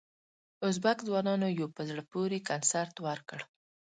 ازبک ځوانانو یو په زړه پورې کنسرت ورکړ.